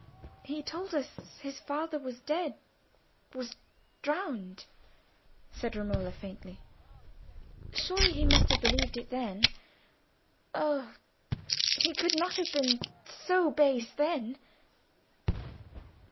"He told us his father was dead—was drowned," said Romola, faintly. "Surely he must have believed it then. Oh! he could not have been so base then!"